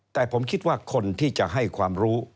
แต่ผมคิดว่าคนที่จะให้ความรู้